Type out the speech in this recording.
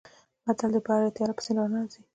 متل دی: په هره تیاره پسې رڼا راځي.